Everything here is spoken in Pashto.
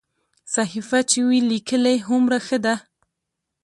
صحیفه چې وي لیکلې هومره ښه ده.